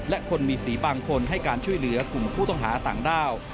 และคนมีสีบางคนให้การช่วยเหลือกลุ่มผู้ต้องหาต่างด้าว